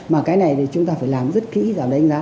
mà cái này thì chúng ta phải làm rất kỹ và đánh giá